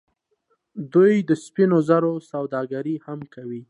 دوی د سپینو زرو سوداګري هم کوي.